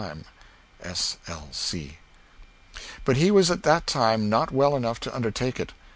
But he was at that time not well enough to undertake it.